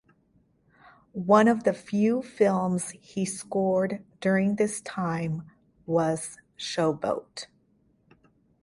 One of the few films he scored during this time was Show Boat.